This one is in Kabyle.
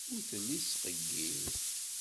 Ur telli tettqeyyil.